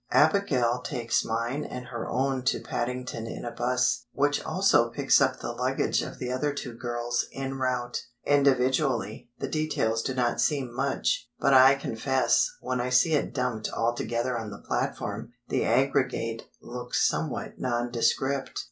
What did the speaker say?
Abigail takes mine and her own to Paddington in a bus, which also picks up the luggage of the other two girls en route. Individually, the details do not seem much, but I confess, when I see it dumped all together on the platform, the aggregate looks somewhat nondescript.